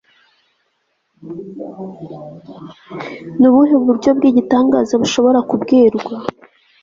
ni ubuhe buryo bw'igitangaza bushobora kubwirwa